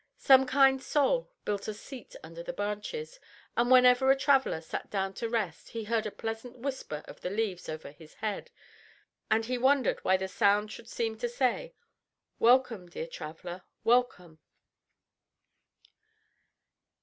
Some kind soul built a seat under the branches, and whenever a traveler sat down to rest he heard a pleasant whisper of the leaves over his head, and he wondered why the sound should seem to say, "Welcome, dear traveler, welcome."